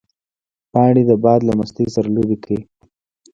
پاڼې د باد له مستۍ سره لوبې کوي